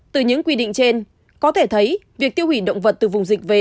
từ những quy định trên có thể thấy việc tiêu hủy động vật từ vùng dịch về